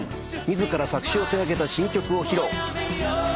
自ら作詞を手掛けた新曲を披露。